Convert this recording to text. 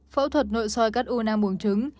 phẫu thuật nội soi cắt u năng bùng trứng